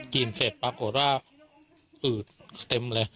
เสร็จปรากฏว่าอืดเต็มเลย